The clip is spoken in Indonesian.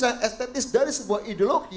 secara estetis dari sebuah ideologi